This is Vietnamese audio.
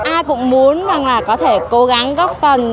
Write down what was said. ai cũng muốn có thể cố gắng góp phần